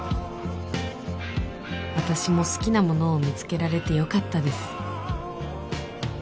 私も好きなものを見つけられてよかったです